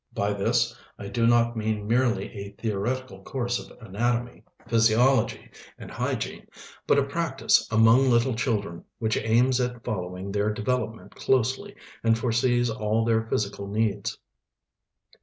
By this I do not mean merely a theoretical course of anatomy, physiology, and hygiene; but a "practise" among little children, which aims at following their development closely, and foresees all their physical needs.